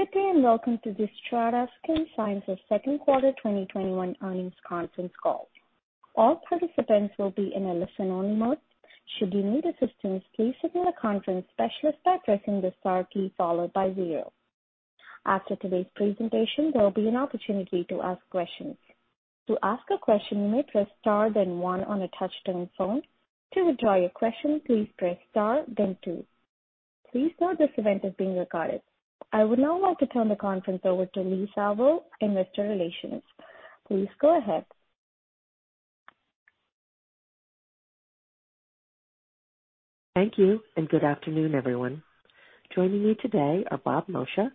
Good day, welcome to the STRATA Skin Sciences second quarter 2021 earnings conference call. All participants will be in a listen-only mode. Should you need assistance, please signal a conference specialist by pressing the star key followed by zero. After today's presentation, there will be an opportunity to ask questions. To ask a question, you may press star, then one on a touch-tone phone. To withdraw your question, please press star, then two. Please note this event is being recorded. I would now like to turn the conference over to Leigh Salvo, investor relations. Please go ahead. Thank you. Good afternoon, everyone. Joining me today are Bob Moccia,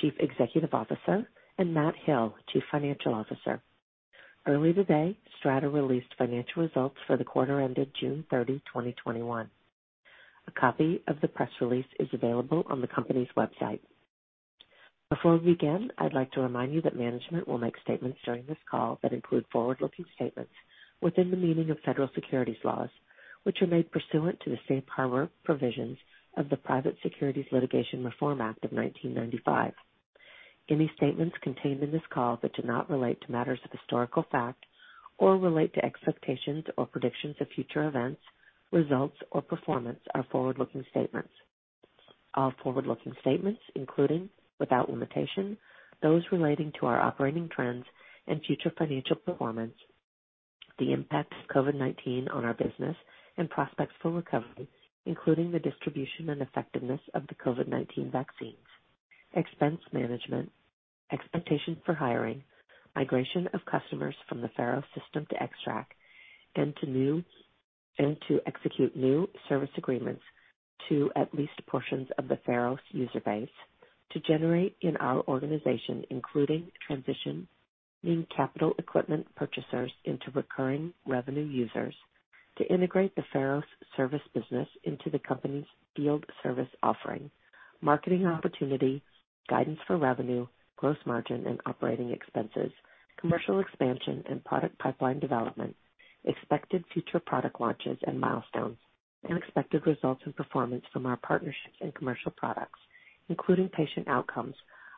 Chief Executive Officer, and Matt Hill, Chief Financial Officer. Early today, STRATA released financial results for the quarter ended June 30, 2021. A copy of the press release is available on the company's website. Before we begin, I'd like to remind you that management will make statements during this call that include forward-looking statements within the meaning of federal securities laws, which are made pursuant to the safe harbor provisions of the Private Securities Litigation Reform Act of 1995. Any statements contained in this call that do not relate to matters of historical fact or relate to expectations or predictions of future events, results, or performance are forward-looking statements. All forward-looking statements, including, without limitation, those relating to our operating trends and future financial performance, the impact of COVID-19 on our business and prospects for recovery, including the distribution and effectiveness of the COVID-19 vaccines, expense management, expectations for hiring, migration of customers from the Pharos system to XTRAC and to execute new service agreements to at least portions of the Pharos user base to generate in our organization, including transitioning capital equipment purchasers into recurring revenue users to integrate the Pharos service business into the company's field service offering, marketing opportunity, guidance for revenue, gross margin, and operating expenses, commercial expansion and product pipeline development, expected future product launches and milestones, and expected results and performance from our partnerships and commercial products, including patient outcomes,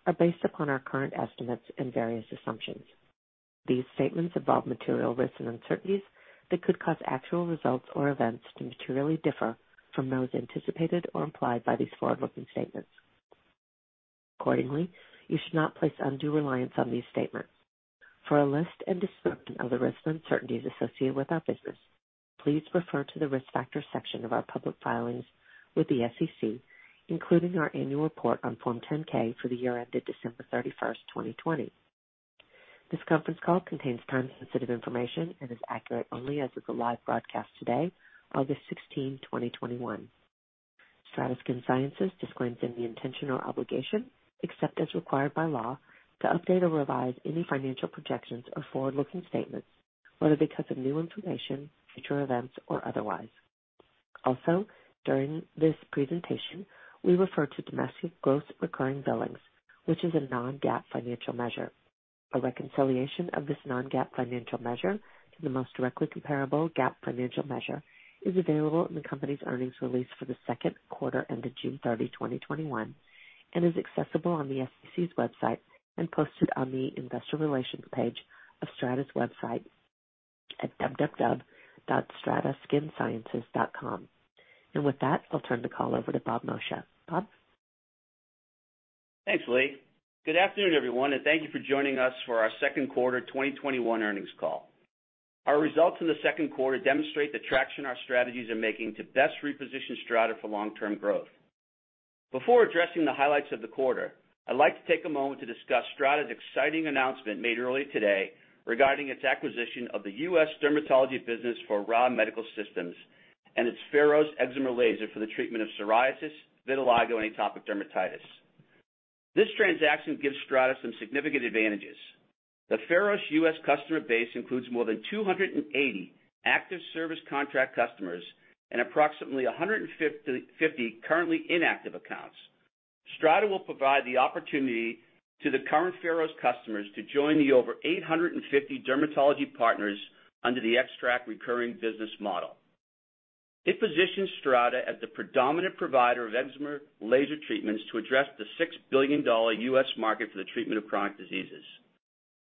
are based upon our current estimates and various assumptions. These statements involve material risks and uncertainties that could cause actual results or events to materially differ from those anticipated or implied by these forward-looking statements. Accordingly, you should not place undue reliance on these statements. For a list and description of the risks and uncertainties associated with our business, please refer to the Risk Factors section of our public filings with the SEC, including our annual report on Form 10-K for the year ended December 31st, 2020. This conference call contains time-sensitive information and is accurate only as of the live broadcast today, August 16, 2021. STRATA Skin Sciences disclaims any intention or obligation, except as required by law, to update or revise any financial projections or forward-looking statements, whether because of new information, future events, or otherwise. Also, during this presentation, we refer to domestic gross recurring billings, which is a non-GAAP financial measure. A reconciliation of this non-GAAP financial measure to the most directly comparable GAAP financial measure is available in the company's earnings release for the second quarter ended June 30, 2021, and is accessible on the SEC's website and posted on the Investor Relations page of STRATA's website at www.strataskinsciences.com. With that, I'll turn the call over to Bob Moccia. Bob? Thanks, Leigh. Good afternoon, everyone, and thank you for joining us for our second quarter 2021 earnings call. Our results in the second quarter demonstrate the traction our strategies are making to best reposition STRATA for long-term growth. Before addressing the highlights of the quarter, I'd like to take a moment to discuss STRATA's exciting announcement made early today regarding its acquisition of the U.S. dermatology business for Ra Medical Systems and its Pharos excimer laser for the treatment of psoriasis, vitiligo, and atopic dermatitis. This transaction gives STRATA some significant advantages. The Pharos U.S. customer base includes more than 280 active service contract customers and approximately 150 currently inactive accounts. STRATA will provide the opportunity to the current Pharos customers to join the over 850 dermatology partners under the XTRAC recurring business model. It positions STRATA as the predominant provider of excimer laser treatments to address the $6 billion U.S. market for the treatment of chronic diseases.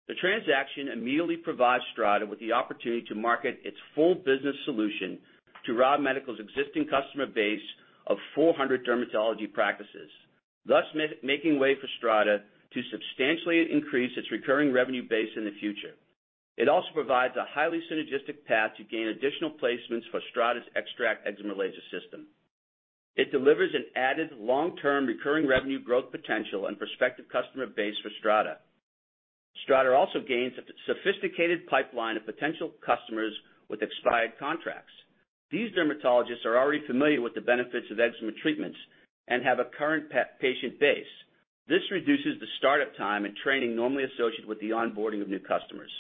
The transaction immediately provides STRATA with the opportunity to market its full business solution to Ra Medical's existing customer base of 400 dermatology practices, thus making way for STRATA to substantially increase its recurring revenue base in the future. It also provides a highly synergistic path to gain additional placements for STRATA's XTRAC excimer laser system. It delivers an added long-term recurring revenue growth potential and prospective customer base for STRATA. STRATA also gains a sophisticated pipeline of potential customers with expired contracts. These dermatologists are already familiar with the benefits of excimer treatments and have a current patient base. This reduces the startup time and training normally associated with the onboarding of new customers.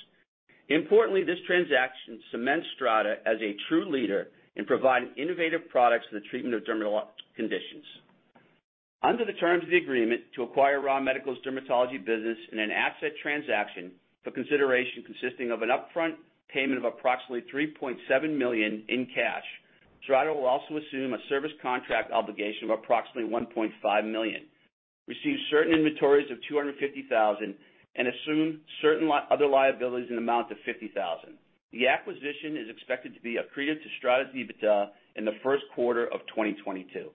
Importantly, this transaction cements STRATA as a true leader in providing innovative products for the treatment of dermatologic conditions. Under the terms of the agreement to acquire Ra Medical's dermatology business in an asset transaction for consideration consisting of an upfront payment of approximately $3.7 million in cash. STRATA will also assume a service contract obligation of approximately $1.5 million, receive certain inventories of $250,000, and assume certain other liabilities in the amount of $50,000. The acquisition is expected to be accretive to STRATA's EBITDA in the first quarter of 2022.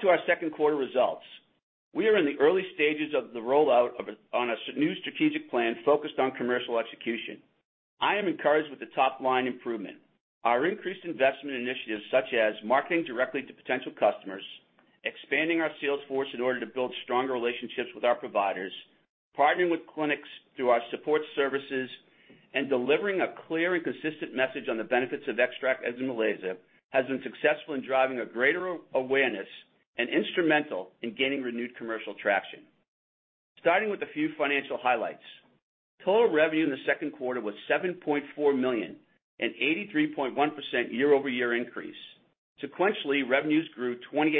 To our second quarter results. I am encouraged with the top-line improvement. Our increased investment initiatives, such as marketing directly to potential customers, expanding our sales force in order to build stronger relationships with our providers, partnering with clinics through our support services, and delivering a clear and consistent message on the benefits of XTRAC as a laser, has been successful in driving a greater awareness and instrumental in gaining renewed commercial traction. Starting with a few financial highlights. Total revenue in the second quarter was $7.4 million, an 83.1% year-over-year increase. Sequentially, revenues grew 28%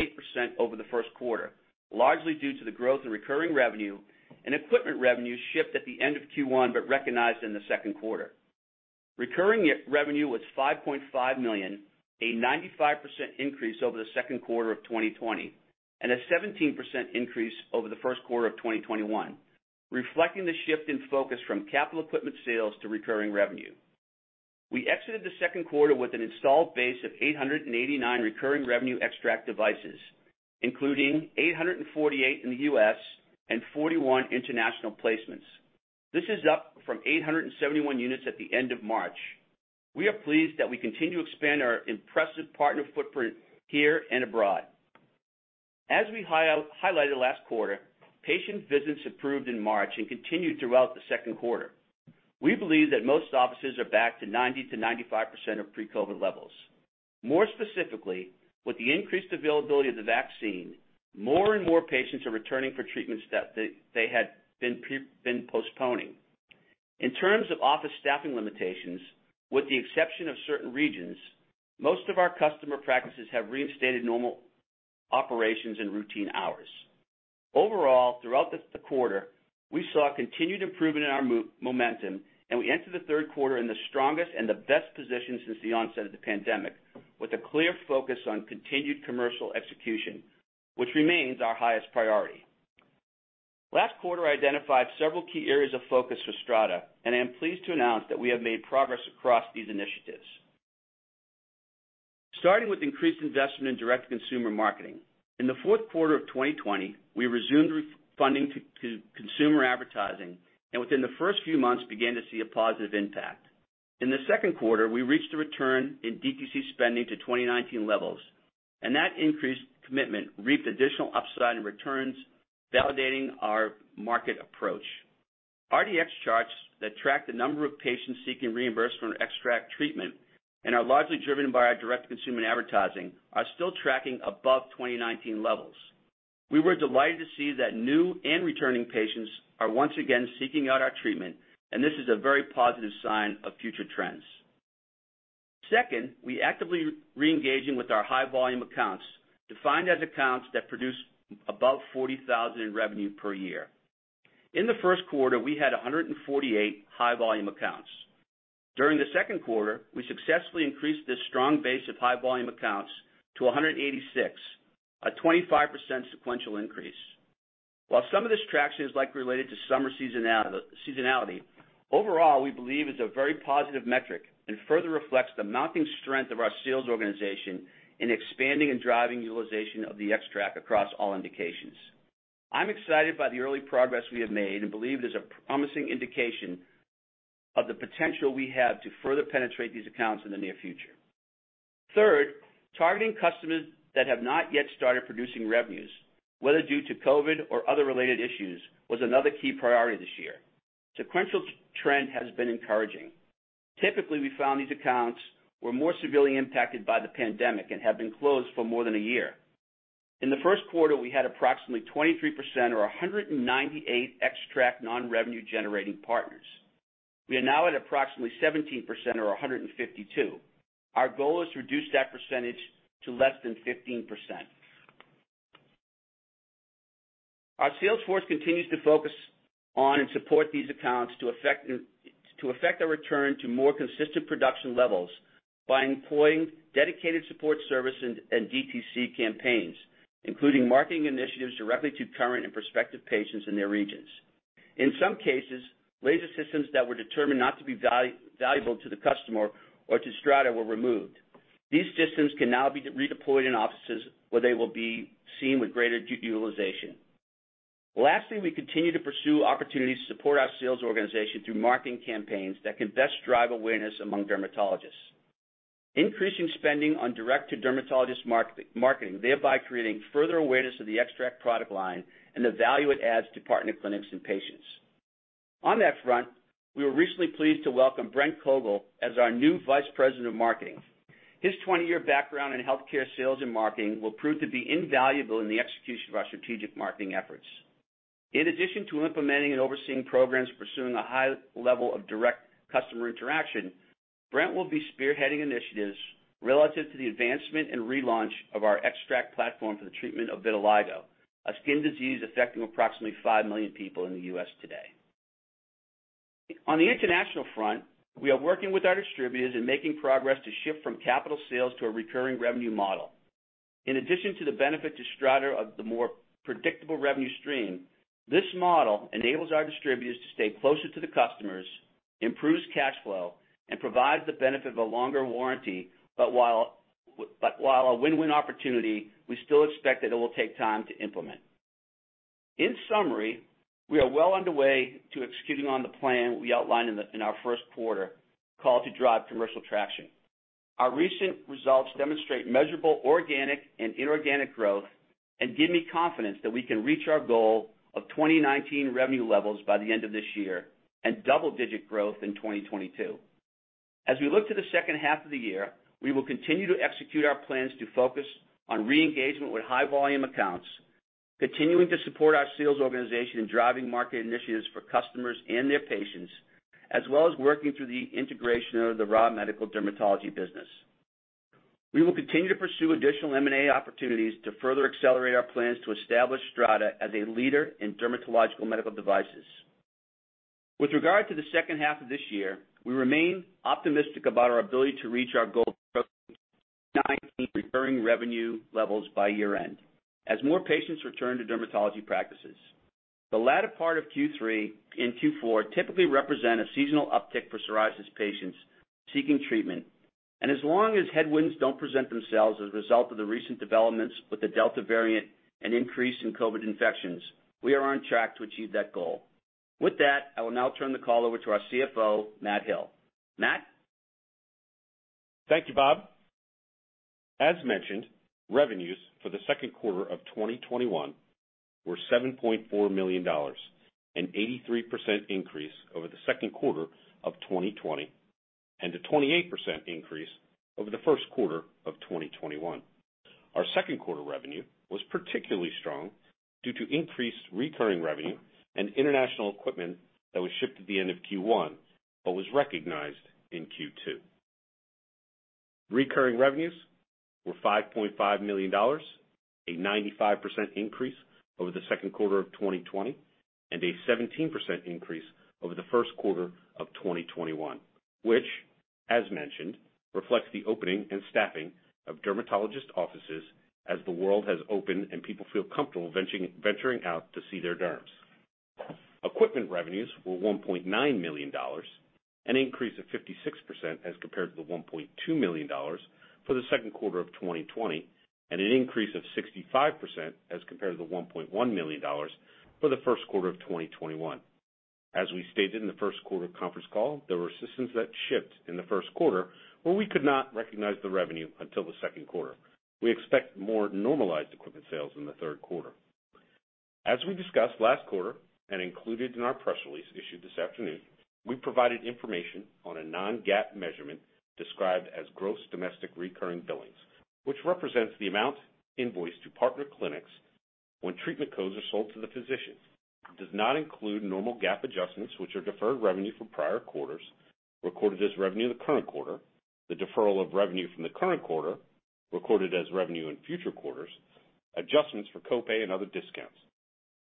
over the first quarter, largely due to the growth in recurring revenue and equipment revenues shipped at the end of Q1 but recognized in the second quarter. Recurring revenue was $5.5 million, a 95% increase over the second quarter of 2020 and a 17% increase over the first quarter of 2021, reflecting the shift in focus from capital equipment sales to recurring revenue. We exited the second quarter with an installed base of 889 recurring revenue XTRAC devices, including 848 in the U.S. and 41 international placements. This is up from 871 units at the end of March. We are pleased that we continue to expand our impressive partner footprint here and abroad. As we highlighted last quarter, patient visits improved in March and continued throughout the second quarter. We believe that most offices are back to 90%-95% of pre-COVID-19 levels. More specifically, with the increased availability of the vaccine, more and more patients are returning for treatments that they had been postponing. In terms of office staffing limitations, with the exception of certain regions, most of our customer practices have reinstated normal operations and routine hours. Overall, throughout the quarter, we saw continued improvement in our momentum, and we enter the third quarter in the strongest and the best position since the onset of the pandemic, with a clear focus on continued commercial execution, which remains our highest priority. Last quarter, I identified several key areas of focus for STRATA, and I am pleased to announce that we have made progress across these initiatives. Starting with increased investment in direct consumer marketing. In the fourth quarter of 2020, we resumed funding to consumer advertising and within the first few months, began to see a positive impact. In the second quarter, we reached a return in DTC spending to 2019 levels, and that increased commitment reaped additional upside in returns, validating our market approach. RDX charts that track the number of patients seeking reimbursement for an XTRAC treatment and are largely driven by our direct consumer advertising are still tracking above 2019 levels. We were delighted to see that new and returning patients are once again seeking out our treatment, and this is a very positive sign of future trends. Second, we're actively reengaging with our high-volume accounts, defined as accounts that produce above $40,000 in revenue per year. In the first quarter, we had 148 high-volume accounts. During the second quarter, we successfully increased this strong base of high-volume accounts to 186, a 25% sequential increase. While some of this traction is likely related to summer seasonality, overall, we believe it's a very positive metric and further reflects the mounting strength of our sales organization in expanding and driving utilization of the XTRAC across all indications. I'm excited by the early progress we have made and believe there's a promising indication of the potential we have to further penetrate these accounts in the near future. Third, targeting customers that have not yet started producing revenues, whether due to COVID or other related issues, was another key priority this year. Sequential trend has been encouraging. Typically, we found these accounts were more severely impacted by the pandemic and have been closed for more than a year. In the first quarter, we had approximately 23%, or 198 XTRAC non-revenue generating partners. We are now at approximately 17%, or 152. Our goal is to reduce that percentage to less than 15%. Our sales force continues to focus on and support these accounts to affect a return to more consistent production levels by employing dedicated support service and DTC campaigns, including marketing initiatives directly to current and prospective patients in their regions. In some cases, laser systems that were determined not to be valuable to the customer or to STRATA were removed. These systems can now be redeployed in offices where they will be seen with greater utilization. Lastly, we continue to pursue opportunities to support our sales organization through marketing campaigns that can best drive awareness among dermatologists. Increasing spending on direct-to-dermatologist marketing, thereby creating further awareness of the XTRAC product line and the value it adds to partner clinics and patients. On that front, we were recently pleased to welcome Brent Kogel as our new Vice President of Marketing. His 20-year background in healthcare sales and marketing will prove to be invaluable in the execution of our strategic marketing efforts. In addition to implementing and overseeing programs pursuing a high level of direct customer interaction, Brent Kogel will be spearheading initiatives relative to the advancement and relaunch of our XTRAC platform for the treatment of vitiligo, a skin disease affecting approximately 5 million people in the U.S. today. On the international front, we are working with our distributors in making progress to shift from capital sales to a recurring revenue model. In addition to the benefit to STRATA of the more predictable revenue stream, this model enables our distributors to stay closer to the customers, improves cash flow, and provides the benefit of a longer warranty. While a win-win opportunity, we still expect that it will take time to implement. In summary, we are well underway to executing on the plan we outlined in our first quarter call to drive commercial traction. Our recent results demonstrate measurable organic and inorganic growth and give me confidence that we can reach our goal of 2019 revenue levels by the end of this year and double-digit growth in 2022. As we look to the second half of the year, we will continue to execute our plans to focus on re-engagement with high-volume accounts, continuing to support our sales organization in driving market initiatives for customers and their patients, as well as working through the integration of the Ra Medical dermatology business. We will continue to pursue additional M&A opportunities to further accelerate our plans to establish STRATA as a leader in dermatological medical devices. With regard to the second half of this year, we remain optimistic about our ability to reach our goal of 2019 recurring revenue levels by year-end as more patients return to dermatology practices. The latter part of Q3 and Q4 typically represent a seasonal uptick for psoriasis patients seeking treatment. As long as headwinds don't present themselves as a result of the recent developments with the Delta variant and increase in COVID-19 infections, we are on track to achieve that goal. With that, I will now turn the call over to our CFO, Matt Hill. Matt? Thank you, Bob. As mentioned, revenues for the second quarter of 2021 were $7.4 million, an 83% increase over the second quarter of 2020, and a 28% increase over the first quarter of 2021. Our second quarter revenue was particularly strong due to increased recurring revenue and international equipment that was shipped at the end of Q1 but was recognized in Q2. Recurring revenues were $5.5 million, a 95% increase over the second quarter of 2020 and a 17% increase over the first quarter of 2021, which as mentioned, reflects the opening and staffing of dermatologist offices as the world has opened and people feel comfortable venturing out to see their derms. Equipment revenues were $1.9 million, an increase of 56% as compared to the $1.2 million for the second quarter of 2020, and an increase of 65% as compared to the $1.1 million for the first quarter of 2021. As we stated in the first quarter conference call, there were systems that shipped in the first quarter where we could not recognize the revenue until the second quarter. We expect more normalized equipment sales in the third quarter. As we discussed last quarter and included in our press release issued this afternoon, we provided information on a non-GAAP measurement described as gross domestic recurring billings, which represents the amount invoiced to partner clinics when treatment codes are sold to the physician. It does not include normal GAAP adjustments which are deferred revenue from prior quarters recorded as revenue in the current quarter, the deferral of revenue from the current quarter recorded as revenue in future quarters, adjustments for copay and other discounts.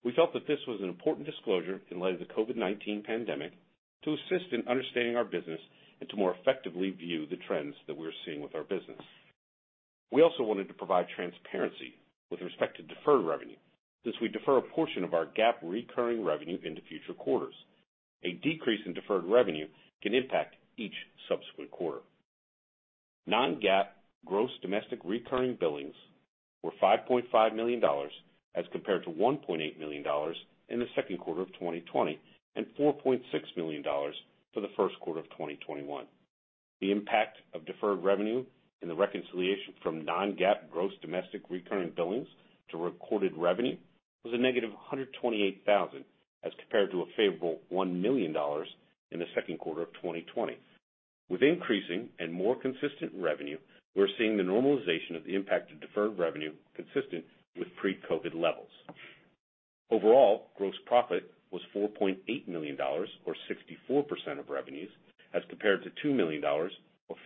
We felt that this was an important disclosure in light of the COVID-19 pandemic to assist in understanding our business and to more effectively view the trends that we're seeing with our business. We also wanted to provide transparency with respect to deferred revenue since we defer a portion of our GAAP recurring revenue into future quarters. A decrease in deferred revenue can impact each subsequent quarter. Non-GAAP gross domestic recurring billings were $5.5 million as compared to $1.8 million in the second quarter of 2020 and $4.6 million for the first quarter of 2021. The impact of deferred revenue in the reconciliation from non-GAAP gross domestic recurring billings to recorded revenue was a negative $128,000 as compared to a favorable $1 million in the second quarter of 2020. With increasing and more consistent revenue, we're seeing the normalization of the impact of deferred revenue consistent with pre-COVID levels. Overall, gross profit was $4.8 million or 64% of revenues as compared to $2 million or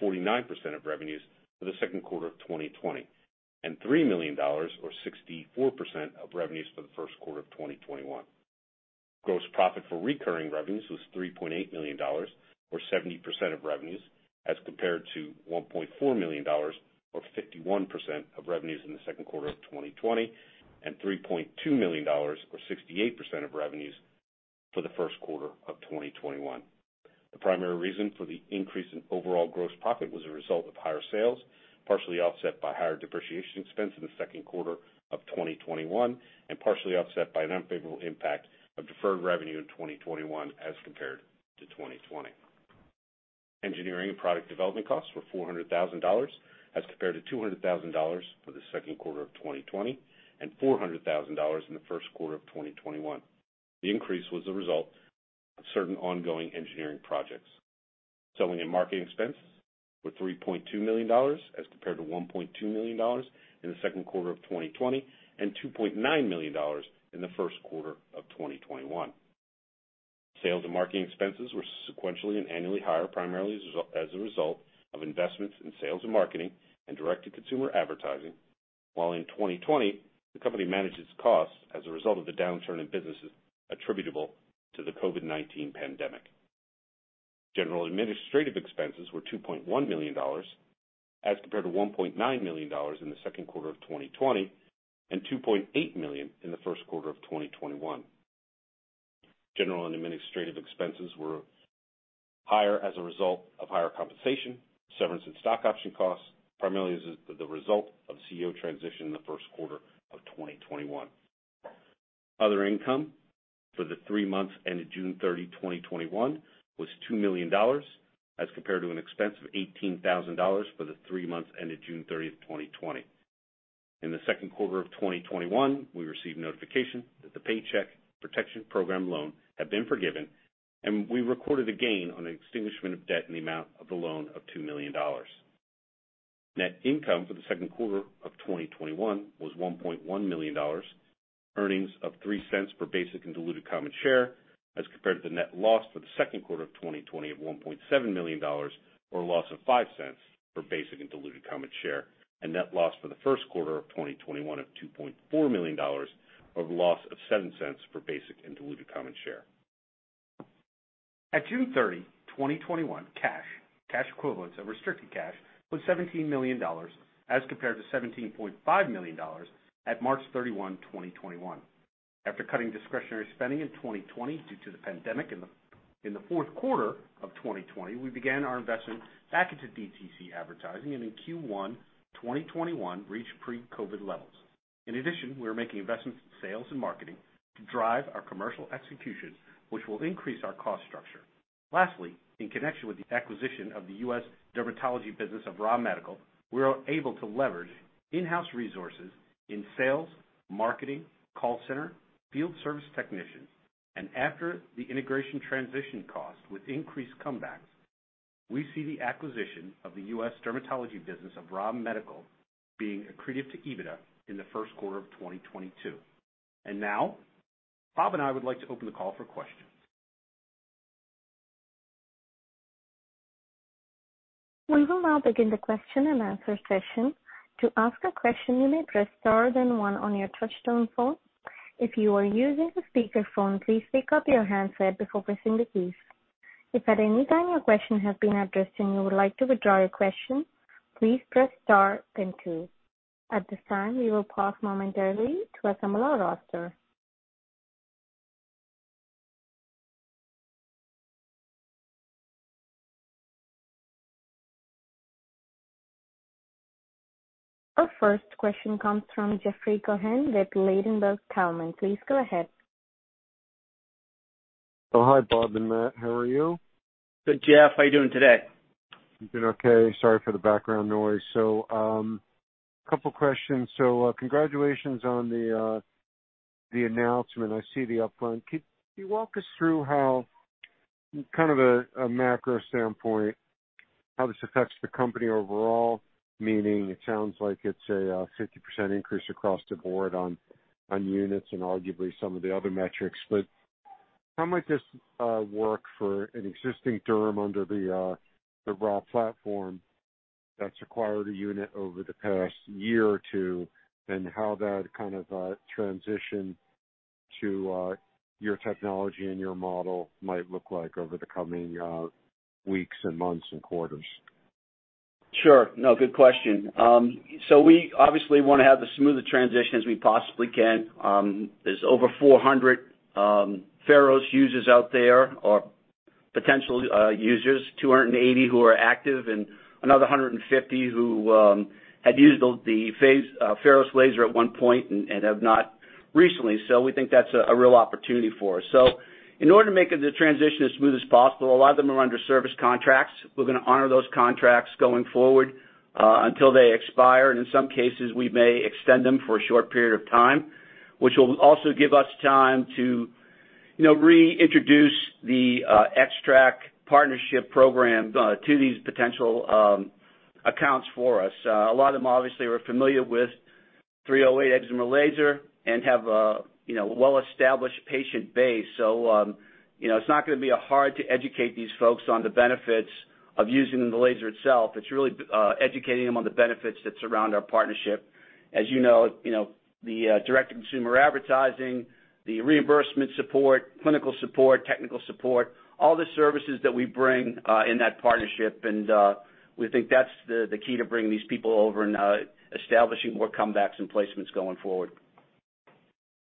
49% of revenues for the second quarter of 2020, and $3 million or 64% of revenues for the first quarter of 2021. Gross profit for recurring revenues was $3.8 million or 70% of revenues as compared to $1.4 million or 51% of revenues in the second quarter of 2020 and $3.2 million or 68% of revenues for the first quarter of 2021. The primary reason for the increase in overall gross profit was a result of higher sales, partially offset by higher depreciation expense in the second quarter of 2021, and partially offset by an unfavorable impact of deferred revenue in 2021 as compared to 2020. Engineering and product development costs were $400,000 as compared to $200,000 for the second quarter of 2020 and $400,000 in the first quarter of 2021. The increase was a result of certain ongoing engineering projects. Selling and marketing expense were $3.2 million as compared to $1.2 million in the second quarter of 2020 and $2.9 million in the first quarter of 2021. Sales and marketing expenses were sequentially and annually higher primarily as a result of investments in sales and marketing and direct-to-consumer advertising. While in 2020, the company managed its costs as a result of the downturn in businesses attributable to the COVID-19 pandemic. General administrative expenses were $2.1 million as compared to $1.9 million in the second quarter of 2020, and $2.8 million in the first quarter of 2021. General and administrative expenses were higher as a result of higher compensation, severance, and stock option costs, primarily as the result of CEO transition in the first quarter of 2021. Other income for the three months ended June 30, 2021, was $2 million as compared to an expense of $18,000 for the three months ended June 30, 2020. In the second quarter of 2021, we received notification that the Paycheck Protection Program loan had been forgiven, and we recorded a gain on extinguishment of debt in the amount of the loan of $2 million. Net income for the second quarter of 2021 was $1.1 million. Earnings of $0.03 per basic and diluted common share as compared to the net loss for the second quarter of 2020 of $1.7 million, or a loss of $0.05 per basic and diluted common share. A net loss for the first quarter of 2021 of $2.4 million, or a loss of $0.07 per basic and diluted common share. At June 30, 2021, cash equivalents, and restricted cash was $17 million as compared to $17.5 million at March 31, 2021. After cutting discretionary spending in 2020 due to the pandemic, in the fourth quarter of 2020, we began our investment back into DTC advertising, and in Q1 2021, reached pre-COVID levels. In addition, we are making investments in sales and marketing to drive our commercial execution, which will increase our cost structure. Lastly, in connection with the acquisition of the U.S. dermatology business of Ra Medical, we are able to leverage in-house resources in sales, marketing, call center, field service technicians, and after the integration transition cost with increased comebacks. We see the acquisition of the U.S. dermatology business of Ra Medical being accretive to EBITDA in the first quarter of 2022. Now, Bob and I would like to open the call for questions. We will now begin the question and answer session. To ask a question, you may press star then one on your touchtone phone. If you are using the speaker phone, please pick up your handset before pressing the keys. If at any time your question has been addressed and you would like to withdraw your question, please press star then two. At this time, we will pause momentarily to assemble our roster. Our first question comes from Jeffrey Cohen with Ladenburg Thalmann. Please go ahead. Oh, hi, Bob and Matt. How are you? Good, Jeffrey. How are you doing today? Doing okay. Sorry for the background noise. A couple questions. Congratulations on the announcement. I see the upfront. Can you walk us through how, kind of a macro standpoint, how this affects the company overall? Meaning, it sounds like it's a 50% increase across the board on units and arguably some of the other metrics, but how might this work for an existing derm under the Ra platform that's acquired a unit over the past year or two, and how that kind of transition to your technology and your model might look like over the coming weeks and months and quarters? Sure. No, good question. We obviously want to have the smoothest transition as we possibly can. There's over 400 Pharos users out there, or potential users, 280 who are active and another 150 who had used the Pharos laser at one point and have not recently. We think that's a real opportunity for us. In order to make the transition as smooth as possible, a lot of them are under service contracts. We're going to honor those contracts going forward, until they expire. In some cases, we may extend them for a short period of time, which will also give us time to reintroduce the XTRAC partnership program to these potential accounts for us. A lot of them obviously are familiar with 308 excimer laser and have a well-established patient base. It's not going to be hard to educate these folks on the benefits of using the laser itself. It's really educating them on the benefits that surround our partnership. As you know, the direct-to-consumer advertising, the reimbursement support, clinical support, technical support, all the services that we bring in that partnership, and we think that's the key to bringing these people over and establishing more comebacks and placements going forward.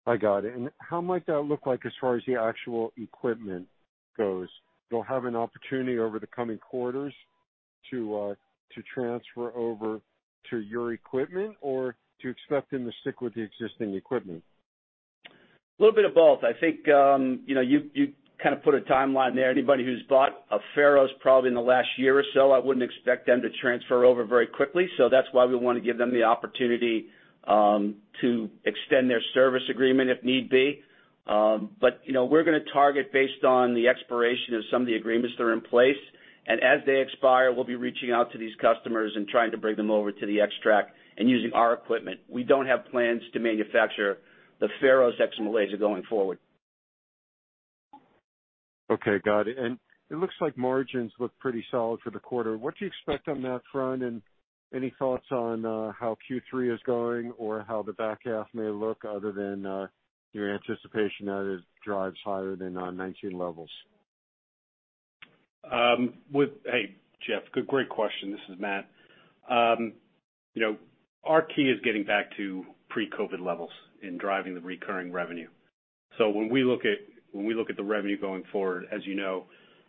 I got it. How might that look like as far as the actual equipment goes? They'll have an opportunity over the coming quarters to transfer over to your equipment or do you expect them to stick with the existing equipment? A little bit of both. I think you kind of put a timeline there. Anybody who's bought a Pharos probably in the last year or so, I wouldn't expect them to transfer over very quickly. That's why we want to give them the opportunity to extend their service agreement if need be. We're going to target based on the expiration of some of the agreements that are in place, and as they expire, we'll be reaching out to these customers and trying to bring them over to the XTRAC and using our equipment. We don't have plans to manufacture the Pharos excimer laser going forward. Okay, got it. It looks like margins look pretty solid for the quarter. What do you expect on that front? Any thoughts on how Q3 is going or how the back half may look other than your anticipation that it drives higher than 2019 levels? Hey, Jeff, great question. This is Matt. Our key is getting back to pre-COVID levels in driving the recurring revenue. When we look at the revenue going forward, as you know,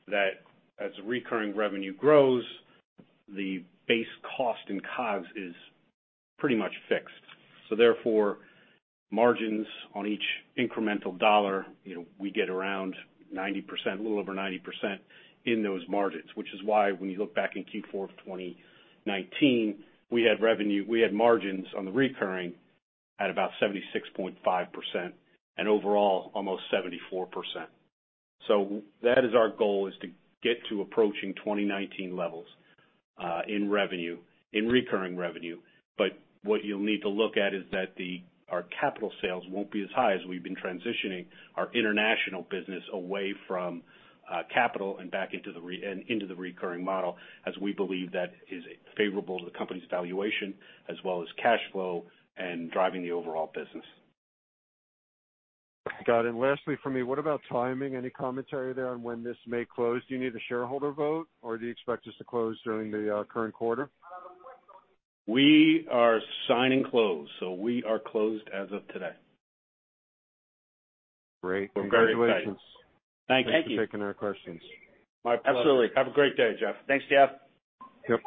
that as the recurring revenue grows, the base cost in COGS is pretty much fixed. Therefore, margins on each incremental dollar, we get around 90%, a little over 90% in those margins, which is why when you look back in Q4 of 2019, we had margins on the recurring at about 76.5%, and overall almost 74%. That is our goal, is to get to approaching 2019 levels in recurring revenue. What you'll need to look at is that our capital sales won't be as high as we've been transitioning our international business away from capital and back into the recurring model, as we believe that is favorable to the company's valuation as well as cash flow and driving the overall business. Got it. Lastly from me, what about timing? Any commentary there on when this may close? Do you need a shareholder vote, or do you expect this to close during the current quarter? We are sign and closed. We are closed as of today. Great. Congratulations. Thank you. Thanks for taking our questions. My pleasure. Absolutely. Have a great day, Jeffrey. Thanks, Jeff. Yep.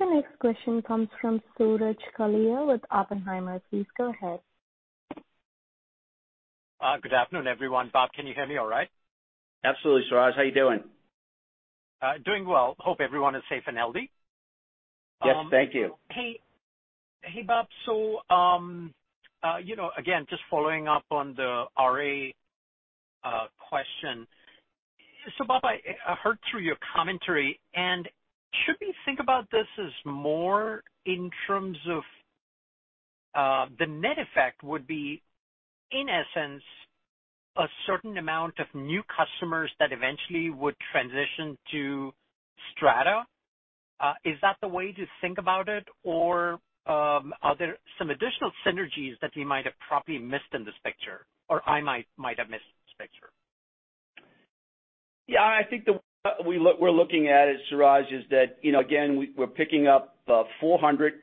The next question comes from Suraj Kalia with Oppenheimer. Please go ahead. Good afternoon, everyone. Bob, can you hear me all right? Absolutely, Suraj. How you doing? Doing well. Hope everyone is safe and healthy. Yes, thank you. Hey, Bob. Again, just following up on the RA question. Bob, I heard through your commentary, and should we think about this as more in terms of the net effect would be, in essence, a certain amount of new customers that eventually would transition to STRATA? Is that the way to think about it? Are there some additional synergies that we might have probably missed in this picture, or I might have missed in this picture? Yeah, I think that what we're looking at, Suraj, is that, again, we're picking up 400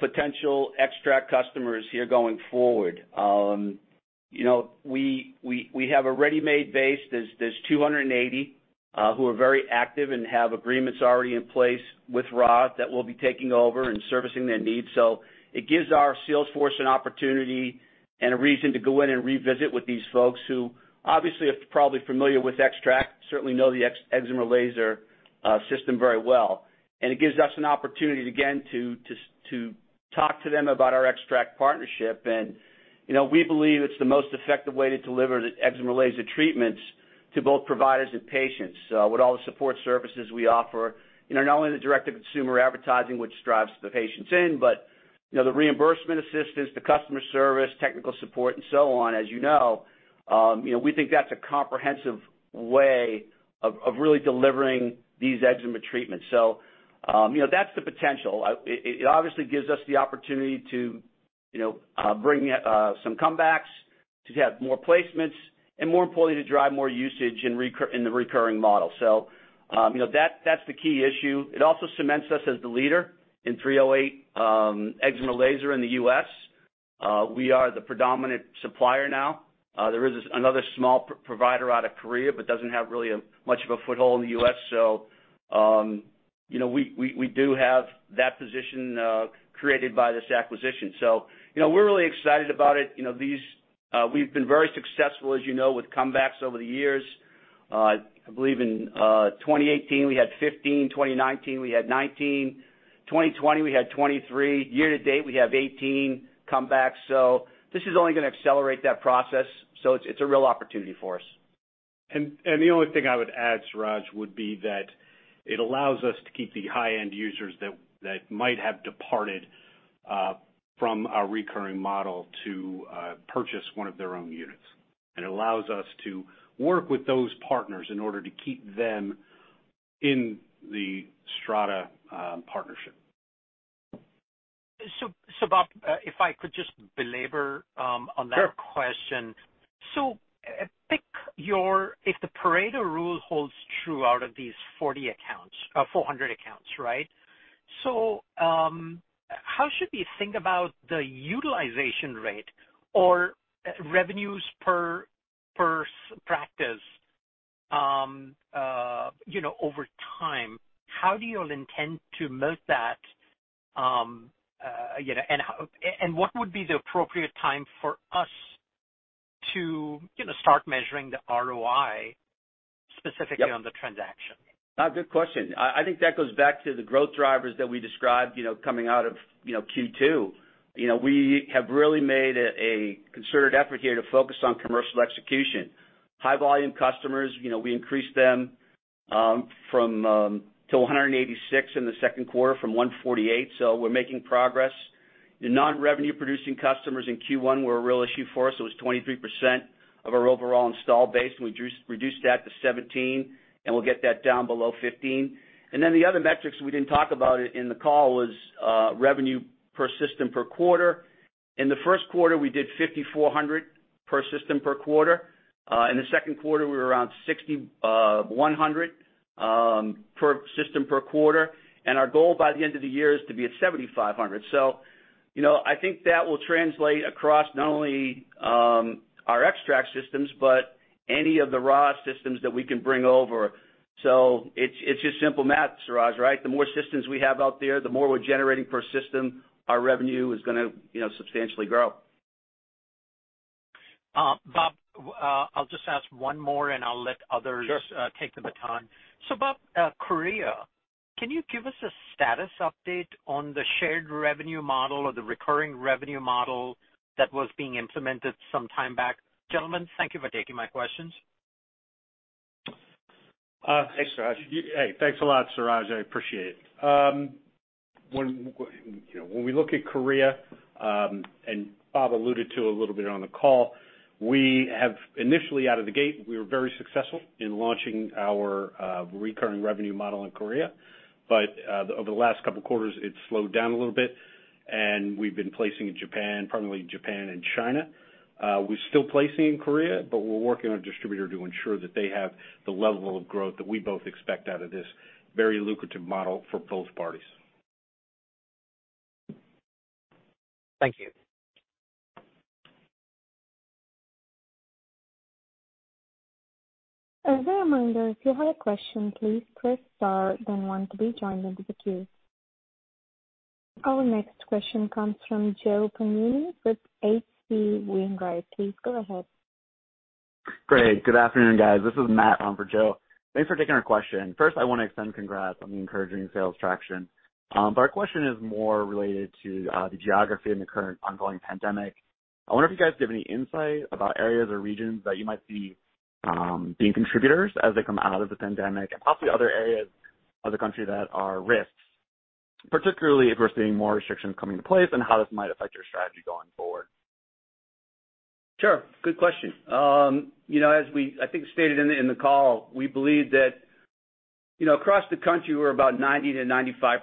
potential XTRAC customers here going forward. We have a ready-made base. There's 280 who are very active and have agreements already in place with Ra that we'll be taking over and servicing their needs. It gives our sales force an opportunity and a reason to go in and revisit with these folks who obviously are probably familiar with XTRAC, certainly know the excimer laser system very well. It gives us an opportunity, again, to talk to them about our XTRAC partnership. We believe it's the most effective way to deliver the excimer laser treatments to both providers and patients with all the support services we offer. Not only the direct-to-consumer advertising, which drives the patients in, but the reimbursement assistance, the customer service, technical support, and so on as you know. We think that's a comprehensive way of really delivering these excimer treatments. That's the potential. It obviously gives us the opportunity to bring some comebacks, to have more placements, and more importantly, to drive more usage in the recurring model. That's the key issue. It also cements us as the leader in 308 excimer laser in the U.S. We are the predominant supplier now. There is another small provider out of Korea, but doesn't have really much of a foothold in the U.S. We do have that position created by this acquisition. We're really excited about it. We've been very successful, as you know, with comebacks over the years. I believe in 2018, we had 15. 2019, we had 19. 2020, we had 23. Year to date, we have 18 comebacks. This is only going to accelerate that process. It's a real opportunity for us. The only thing I would add, Suraj, would be that it allows us to keep the high-end users that might have departed from our recurring model to purchase one of their own units. It allows us to work with those partners in order to keep them in the STRATA partnership. Bob, if I could just belabor on that question? Sure. If the Pareto rule holds true out of these 400 accounts. How should we think about the utilization rate or revenues per practice over time? How do you all intend to moat that? What would be the appropriate time for us to start measuring the ROI specifically on the transaction? Good question. I think that goes back to the growth drivers that we described coming out of Q2. We have really made a concerted effort here to focus on commercial execution. High volume customers, we increased them from 286 in the second quarter from 148. We're making progress. The non-revenue producing customers in Q1 were a real issue for us. It was 23% of our overall installed base, and we reduced that to 17%, and we'll get that down below 15%. The other metrics we didn't talk about in the call was revenue per system per quarter. In the first quarter, we did $5,400 per system per quarter. In the second quarter, we were around $6,100 per system per quarter. Our goal by the end of the year is to be at $7,500. I think that will translate across not only our XTRAC systems, but any of the Ra systems that we can bring over. It's just simple math, Suraj, right? The more systems we have out there, the more we're generating per system, our revenue is going to substantially grow. Bob, I'll just ask one more and I'll let others- Sure take the baton. Bob Moccia, can you give us a status update on the shared revenue model or the recurring revenue model that was being implemented some time back? Gentlemen, thank you for taking my questions. Thanks, Suraj. Hey, thanks a lot, Suraj. I appreciate it. When we look at Korea, Bob alluded to a little bit on the call, initially out of the gate, we were very successful in launching our recurring revenue model in Korea. Over the last couple of quarters, it slowed down a little bit and we've been placing in Japan, primarily Japan and China. We're still placing in Korea, we're working with a distributor to ensure that they have the level of growth that we both expect out of this very lucrative model for both parties. Thank you. As a reminder, if you have a question, please press star, then one to be joined into the queue. Our next question comes from Joseph Pantginis with H.C. Wainwright & Co. Please go ahead. Great. Good afternoon, guys. This is Matt Hill for Joseph Pantginis. Thanks for taking our question. First, I want to extend congrats on the encouraging sales traction. Our question is more related to the geography and the current ongoing pandemic. I wonder if you guys have any insight about areas or regions that you might see being contributors as they come out of the pandemic and possibly other areas of the country that are risks, particularly if we're seeing more restrictions coming into place and how this might affect your strategy going forward. Sure. Good question. As we, I think, stated in the call, we believe that across the country, we're about 90%-95%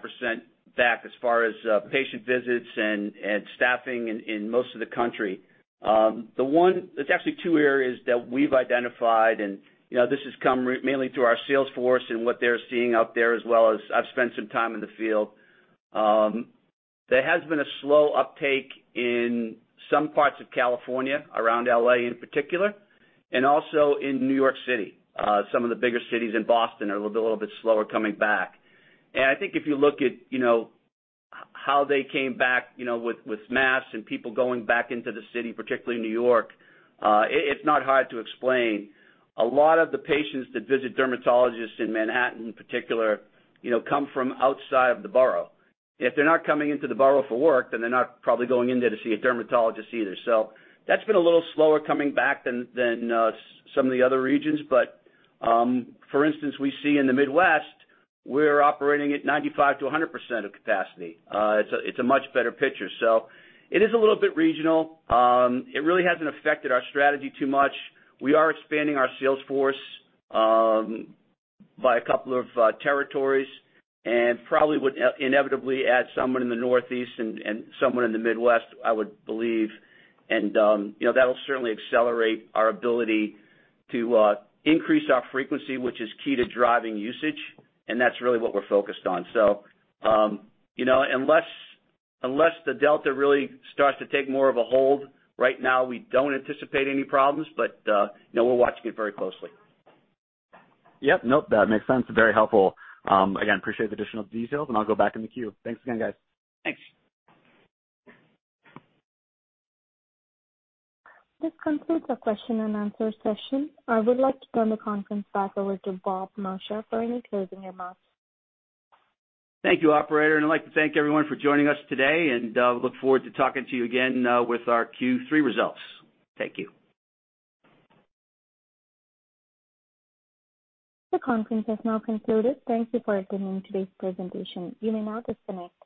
back as far as patient visits and staffing in most of the country. There's actually two areas that we've identified, and this has come mainly through our sales force and what they're seeing out there, as well as I've spent some time in the field. There has been a slow uptake in some parts of California, around L.A. in particular, and also in New York City. Some of the bigger cities in Boston are a little bit slower coming back. I think if you look at how they came back with masks and people going back into the city, particularly New York, it's not hard to explain. A lot of the patients that visit dermatologists in Manhattan in particular, come from outside of the borough. If they're not coming into the borough for work, then they're not probably going in there to see a dermatologist either. That's been a little slower coming back than some of the other regions. For instance, we see in the Midwest, we're operating at 95%-100% of capacity. It's a much better picture. It is a little bit regional. It really hasn't affected our strategy too much. We are expanding our sales force by a couple of territories and probably would inevitably add someone in the Northeast and someone in the Midwest, I would believe. That'll certainly accelerate our ability to increase our frequency, which is key to driving usage. That's really what we're focused on. Unless the Delta really starts to take more of a hold, right now we don't anticipate any problems, but we're watching it very closely. Yep. Nope, that makes sense. Very helpful. Again, appreciate the additional details, and I'll go back in the queue. Thanks again, guys. Thanks. This concludes our question and answer session. I would like to turn the conference back over to Robert Moccia for any closing remarks. Thank you, operator. I'd like to thank everyone for joining us today and look forward to talking to you again with our Q3 results. Thank you. The conference has now concluded. Thank you for attending today's presentation. You may now disconnect.